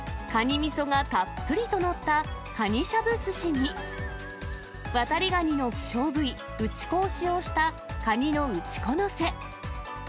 みそがたっぷりと載ったかにしゃぶすしに、ワタリガニの希少部位、内子を使用したかにの内子のせ。